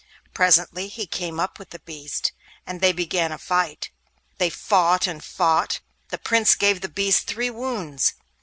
Presently he came up with the beast, and they began a fight. They fought and fought; the Prince gave the beast three wounds.